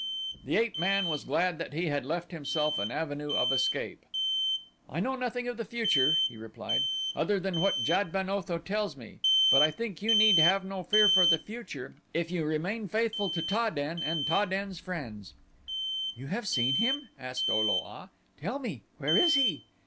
The ape man was glad that he had left himself an avenue of escape. "I know nothing of the future," he replied, "other than what Jad ben Otho tells me. But I think you need have no fear for the future if you remain faithful to Ta den and Ta den's friends." "You have seen him?" asked O lo a. "Tell me, where is he?"